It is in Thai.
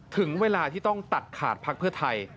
ถึงเวลาที่ต้องตัดขาดพักเพื่อไทย